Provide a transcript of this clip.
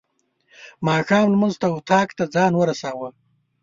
ماښام لمونځ ته اطاق ته ځان ورساوه.